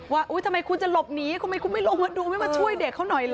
ว่าทำไมคุณจะหลบหนีทำไมคุณไม่ลงมาดูไม่มาช่วยเด็กเขาหน่อยเหรอ